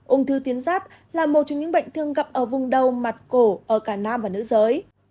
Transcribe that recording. ung thư tuyến ráp là một trong những bệnh thường gặp ở vùng đầu mặt cổ ở cả nam và nữ giới